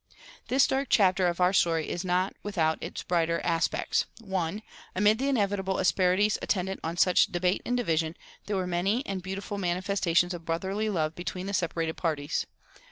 This dark chapter of our story is not without its brighter aspects. (1) Amid the inevitable asperities attendant on such debate and division there were many and beautiful manifestations of brotherly love between the separated parties.